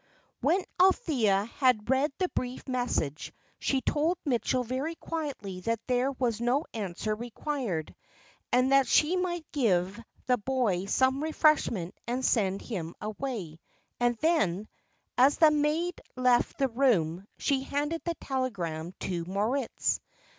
_ When Althea had read the brief message, she told Mitchell very quietly that there was no answer required, and that she might give the boy some refreshment and send him away; and then, as the maid left the room, she handed the telegram to Moritz.